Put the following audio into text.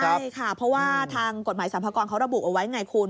ใช่ค่ะเพราะว่าทางกฎหมายสรรพากรเขาระบุเอาไว้ไงคุณ